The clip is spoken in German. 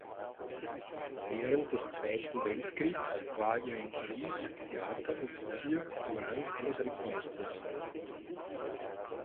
Während des Zweiten Weltkriegs war er in Paris Theater-Offizier im Rang eines Rittmeisters.